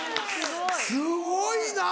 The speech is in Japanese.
すごいな！